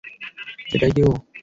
এটাই কি ও?